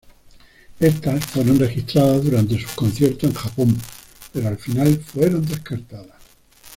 Estas fueron registradas durante sus conciertos en Japón, pero al final fueron descartadas.